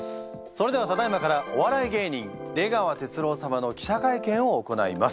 それではただいまからお笑い芸人出川哲朗様の記者会見を行います。